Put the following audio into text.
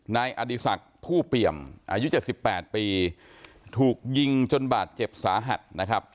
นายอดีศักดิ์ผู้เปี่ยมอายุ๗๘ปีถูกยิงจนบาดเจ็บสาหัสนะครับ